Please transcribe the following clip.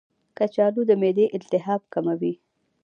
کچالو د معدې التهاب کموي.